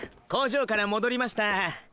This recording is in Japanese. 工場から戻りました。